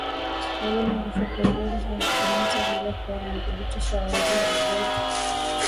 Wanyama hufa kwa ugonjwa wa kimeta bila kuwa na uthibitisho wa awali wa ugonjwa